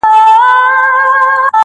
د سلگيو ږغ يې ماته را رسيږي,